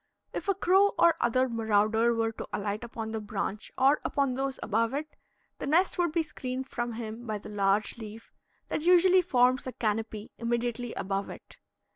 If a crow or other marauder were to alight upon the branch or upon those above it, the nest would be screened from him by the large leaf that usually forms a canopy immediately above it.